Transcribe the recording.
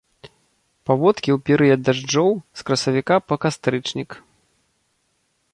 Паводкі ў перыяд дажджоў, з красавіка па кастрычнік.